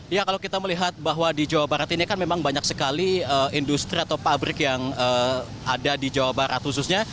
ya kalau kita melihat bahwa di jawa barat ini kan memang banyak sekali industri atau pabrik yang ada di jawa barat khususnya